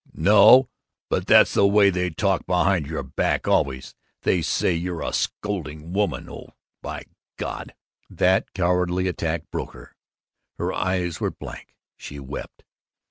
"No, but that's the way they talk behind your back! Always! They say you're a scolding old woman. Old, by God!" That cowardly attack broke her. Her eyes were blank. She wept.